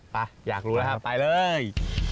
อยากรู้แล้วครับไปเลย